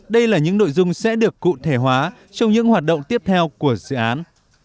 đây là những nội dung sẽ được cụ thể hóa trong những hoạt động tiếp theo của dự án